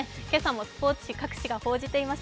スポーツ各紙が伝えています。